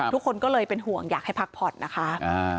ทุกคนก็เลยเป็นห่วงอยากให้พักผ่อนนะคะ